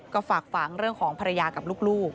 ก็ฝากฝังเรื่องของภรรยากับลูก